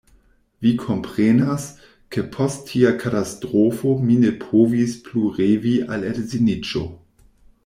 Vi komprenas, ke post tia katastrofo mi ne povis plu revi al edziniĝo.